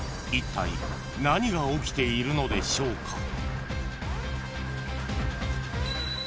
［いったい何が起きているのでしょうか？］